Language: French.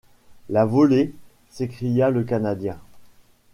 La volée! s’écria le Canadien.